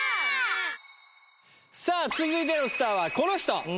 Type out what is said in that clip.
さぁ続いてのスターはこの人。